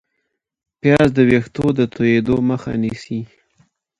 پیاز د ویښتو د تویېدو مخه نیسي